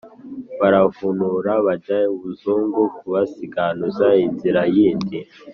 Baravunura bajya i Buzungu Kubasiganuza inzira yindi,